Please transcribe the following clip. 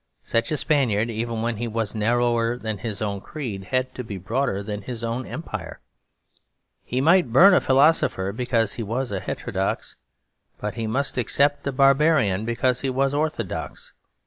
Such a Spaniard, even when he was narrower than his own creed, had to be broader than his own empire. He might burn a philosopher because he was heterodox; but he must accept a barbarian because he was orthodox.